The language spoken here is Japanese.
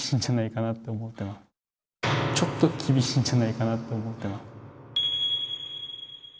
ちょっと厳しいんじゃないかなと思ってます。